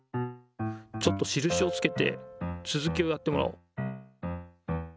ちょっとしるしをつけてつづきをやってもらおう。